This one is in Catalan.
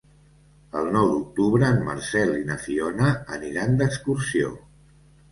El nou d'octubre en Marcel i na Fiona aniran d'excursió.